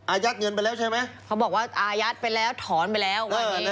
อายัดเงินไปแล้วใช่ไหมเขาบอกว่าอายัดไปแล้วถอนไปแล้ว